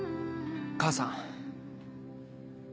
母さん。